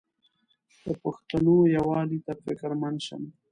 د پښتنو یووالي ته فکرمند شم.